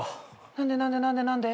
何で何で何で何で？